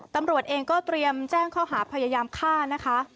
ตำรวจเองก็เตรียมแจ้งข้อหาพยายามฆ่านะคะ